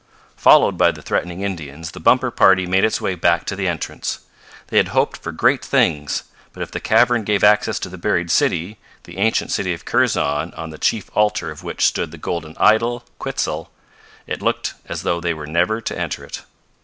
Followed by the threatening Indians, the Bumper party made its way back to the entrance. They had hoped for great things, but if the cavern gave access to the buried city the ancient city of Kurzon on the chief altar of which stood the golden idol, Quitzel it looked as though they were never to enter it.